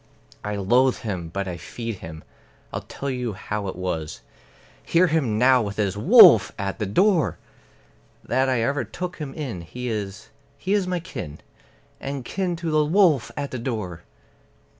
I loathe him, but I feed him; I'll tell you how it was (Hear him now with his "Wolf!" at the door!) That I ever took him in; he is he is my kin, And kin to the wolf at the door!